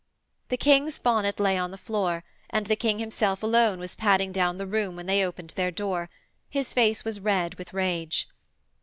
The King's bonnet lay on the floor, and the King himself alone was padding down the room when they opened their door. His face was red with rage.